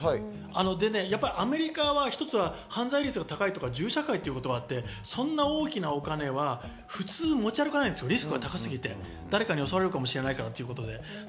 でね、アメリカは一つは犯罪率が高いということと、銃社会ということがあって、そんな大きなお金は普通持ち歩かない、リスクが高すぎて誰かに襲われるかもしれないから。